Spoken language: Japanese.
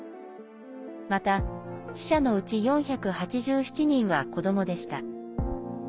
また死者のうち４８７人は子どもでした。